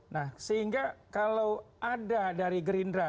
nah sehingga kalau ada dari gerindra